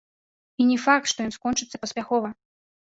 І не факт, што і ён скончыцца паспяхова.